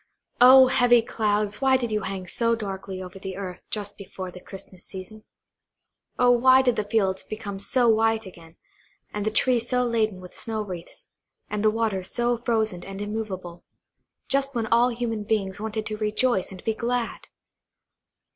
Oh, heavy clouds, why did you hang so darkly over the earth just before the Christmas season? Oh, why did the fields become so white again, and the trees so laden with snow wreaths, and the waters so frozen and immovable, just when all human beings wanted to rejoice and be glad?